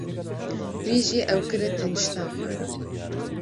Wî jî ew kire tenişta xwe.